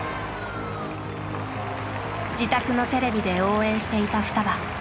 自宅のテレビで応援していたふたば。